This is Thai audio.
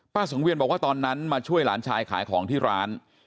สังเวียนบอกว่าตอนนั้นมาช่วยหลานชายขายของที่ร้าน